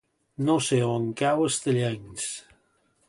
No sé on cau Estellencs.